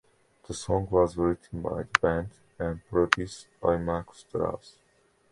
The song was written by the band and produced by Markus Dravs.